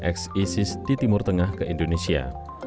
ex isis di timur tengah ke indonesia